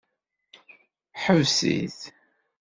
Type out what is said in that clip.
Ḥbes-it.